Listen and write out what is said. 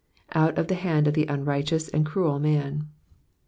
''^Out of the hand of the unrighteous and cruel man.'''